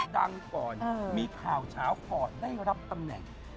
ดังก่อนมีข่าวเฉาก่อนได้รับตำแหน่ง